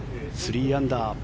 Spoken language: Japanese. ３アンダー。